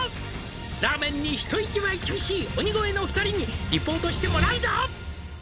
「ラーメンに人一倍厳しい」「鬼越の２人にリポートしてもらうぞ」